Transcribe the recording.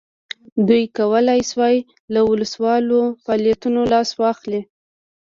دوی کولای شوای له وسله والو فعالیتونو لاس واخلي.